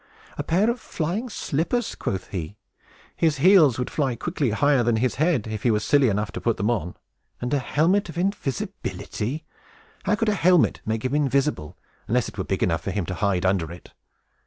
"A pair of flying slippers, quoth he! His heels would quickly fly higher than his head, if he were silly enough to put them on. And a helmet of invisibility! How could a helmet make him invisible, unless it were big enough for him to hide under it?